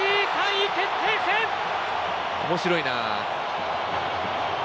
面白いな。